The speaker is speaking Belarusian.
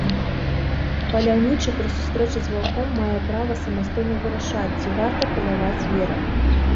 Паляўнічы пры сустрэчы з ваўком мае права самастойна вырашаць, ці варта паляваць звера.